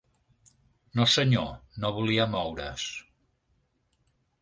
No senyor: no volia moure-s.